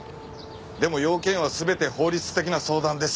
でも用件は全て法律的な相談です。